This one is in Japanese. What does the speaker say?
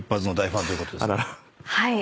はい。